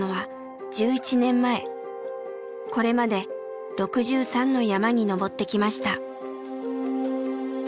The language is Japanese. これまで６３の山に登ってきました。